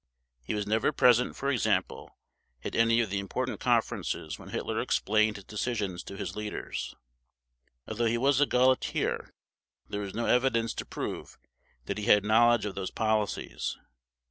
He was never present, for example, at any of the important conferences when Hitler explained his decisions to his leaders. Although he was a Gauleiter there is no evidence to prove that he had knowledge of those policies.